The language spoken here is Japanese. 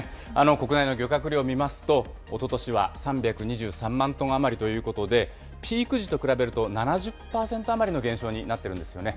国内の漁獲量見ますと、おととしは３２３万トン余りということで、ピーク時と比べると７０％余りの減少になっているんですよね。